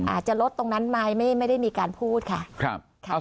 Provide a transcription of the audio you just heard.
อาจจะลดตรงนั้นไหมไม่ได้มีการพูดค่ะ